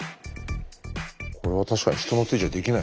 これは確かに人の手じゃできない。